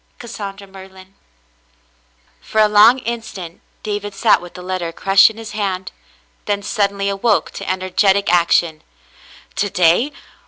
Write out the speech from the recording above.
" Cassandra Merlin." For a long instant David sat with the letter crushed in his hand, then suddenly awoke to energetic action. "To day.?